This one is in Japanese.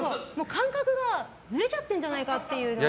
感覚がずれちゃってるんじゃないかっていうのが。